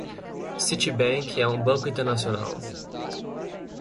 Citibank é um banco internacional.